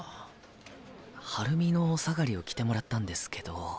ハルミのおさがりを着てもらったんですけど。